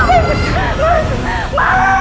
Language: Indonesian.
papa aku sama mama